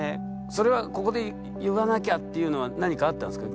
それはここで言わなきゃっていうのは何かあったんですか？